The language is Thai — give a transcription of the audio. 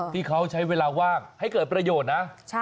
ที่เขาใช้เวลาว่างให้เกิดประโยชน์นะ